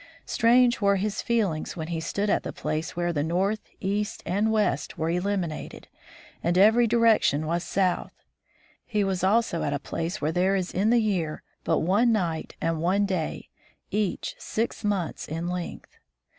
Strange were his feelings when he stood at the place where north, east, and west were eliminated, and every direction was south. He was also at a place where there is in the year but one night and one day, each six months in length.